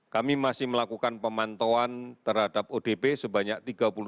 kami masih melakukan pemantauan terhadap odp sebanyak tiga puluh delapan